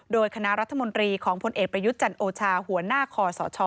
โดยคณะรัฐมนตรีของพลเอกประยุทธ์จันโอชาหัวหน้าคอสช